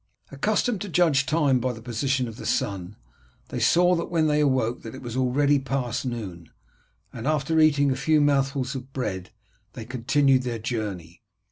Accustomed to judge time by the position of the sun, they saw when they awoke that it was already past noon, and after eating a few mouthfuls of bread they continued their journey.